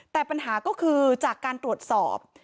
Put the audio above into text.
แต่ปัญหาก็คือจากการตรวจสอบ